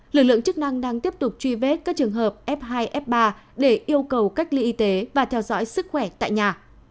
lực lượng chức năng đang tiếp tục truy vết các trường hợp f hai f ba để yêu cầu cách ly y tế và theo dõi sức khỏe tại nhà